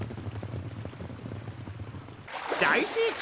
大成功！